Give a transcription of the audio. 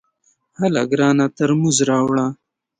هله ګرانه ترموز راوړه !